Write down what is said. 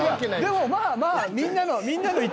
でもまあまあ。